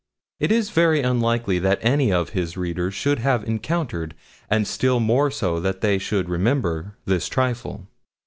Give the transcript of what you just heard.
It is very unlikely that any of his readers should have encountered, and still more so that they should remember, this trifle.